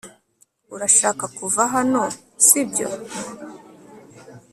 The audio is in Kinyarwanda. urashaka kuva hano, sibyo